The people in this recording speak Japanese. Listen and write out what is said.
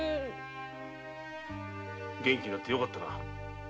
元気になってよかったな。